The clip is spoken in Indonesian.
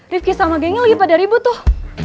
ripki sama gengnya lagi pada ribut tuh